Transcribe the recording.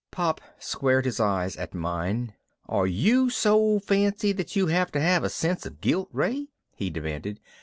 Pop squared his eyes at mine. "Are you so fancy that you have to have a sense of guilt, Ray?" he demanded.